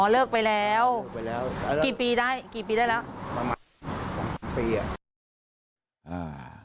เลิกไปแล้วกี่ปีได้ประมาณ๓ปี